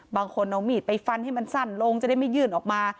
บางคนเอามีดไปฟันให้มันสั้นลงจะได้ไม่ยื่นออกมา